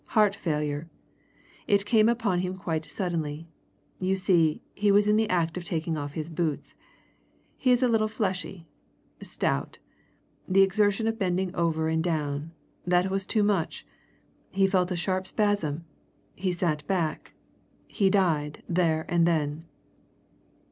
"Heart failure. It came upon him quite suddenly. You see, he was in the act of taking off his boots. He is a little fleshy stout. The exertion of bending over and down that was too much. He felt a sharp spasm he sat back he died, there and then."